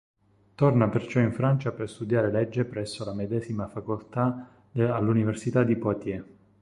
Torna perciò in Francia per studiare legge presso la medesima facoltà all'Università di Poitiers.